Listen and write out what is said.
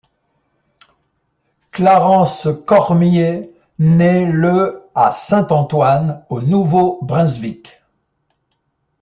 Clarence Cormier naît le à Saint-Antoine, au Nouveau-Brunswick.